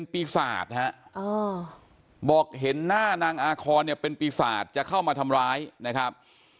ปีศาจฮะบอกเห็นหน้านางอาคอนเนี่ยเป็นปีศาจจะเข้ามาทำร้ายนะครับ